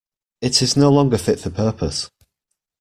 It is no longer fit for purpose.